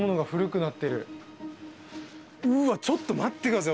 うわっちょっと待って下さい。